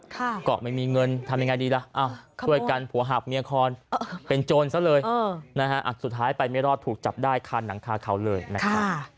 ก็ไม่มีเงินทำยังไงดีล่ะช่วยกันผัวหักเมียคอนเป็นโจรซะเลยนะฮะสุดท้ายไปไม่รอดถูกจับได้คานหนังคาเขาเลยนะคะ